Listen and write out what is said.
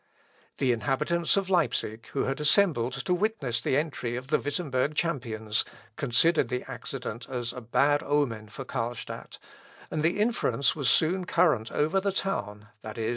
The inhabitants of Leipsic, who had assembled to witness the entry of the Wittemberg champions, considered the accident as a bad omen for Carlstadt; and the inference was soon current over the town, viz.